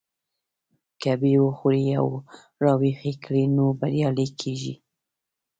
که يې وښوروئ او را ويښ يې کړئ نو بريالي کېږئ.